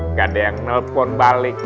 nggak ada yang nelpon balik